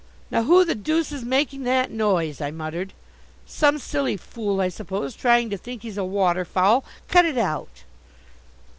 "Now, who the deuce is making that noise?" I muttered. "Some silly fool, I suppose, trying to think he's a waterfowl. Cut it out!"